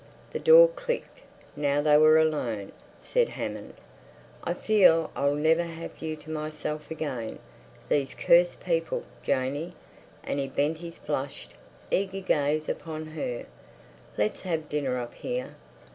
The door clicked. Now they were alone. Said Hammond: "I feel I'll never have you to myself again. These cursed people! Janey"—and he bent his flushed, eager gaze upon her—"let's have dinner up here.